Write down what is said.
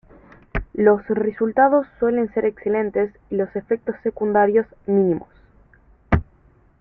Los resultados suelen ser excelentes y los efectos secundarios mínimos.